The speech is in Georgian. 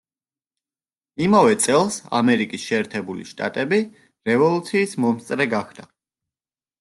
იმავე წელს ამერიკის შეერთებული შტატები რევოლუციის მომსწრე გახდა.